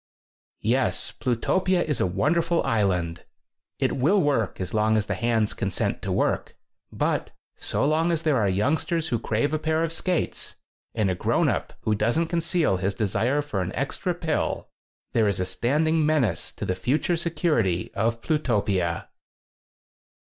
Yes, Plutopia is a wonderful island. It will work as long as the hands con sent to work. But so long as there are youngsters who crave a pair of skates and a grown up who doesn't conceal his desire for an extra pill, there is a standing menace to the future security of Plutopia.